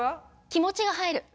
気持ちが入る。